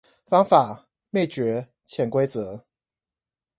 方法、秘訣、潛規則